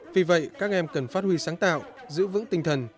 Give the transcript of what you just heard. vì vậy các em cần phát huy sáng tạo giữ vững tinh thần